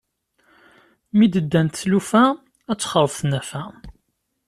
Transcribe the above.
Mi d-ddant tlufa ad texreb tnafa.